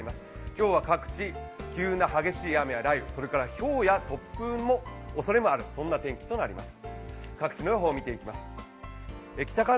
今日は各地、急な激しい雨や雷雨それから、ひょうや突風のおそれもある天気となります。